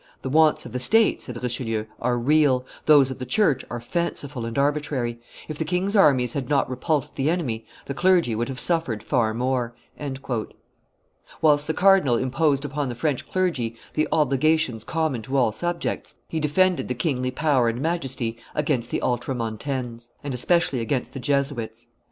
"The wants of the state," said Richelieu, "are real; those of the church are fanciful and arbitrary; if the king's armies had not repulsed the enemy, the clergy would have suffered far more." Whilst the cardinal imposed upon the French clergy the obligations common to all subjects, he defended the kingly power and majesty against the Ultramoutanes, and especially against the Jesuits.